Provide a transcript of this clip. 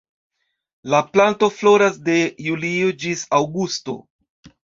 La planto floras de julio ĝis aŭgusto.